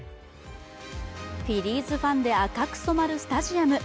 フィリーズファンで赤く染まるスタジアム。